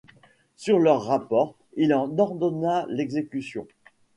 Sur leur rapport, il en ordonna l'exécution.